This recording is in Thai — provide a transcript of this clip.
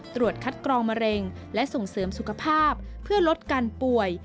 ตรวจคัดกรองมะเร็งและส่งเสริมสุขภาพเพื่อลดการป่วย